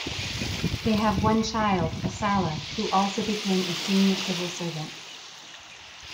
They have one child, Esala, who also became a senior civil servant.